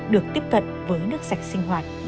được tiếp cận với nước sạch sinh hoạt đạt quy chuẩn